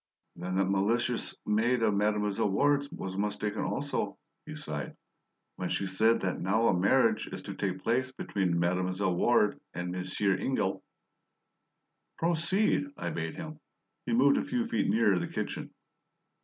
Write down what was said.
"Then that malicious maid of Mademoiselle Ward's was mistaken also," he sighed, "when she said that now a marriage is to take place between Mademoiselle Ward and Monsieur Ingle " "Proceed," I bade him. He moved a few feet nearer the kitchen.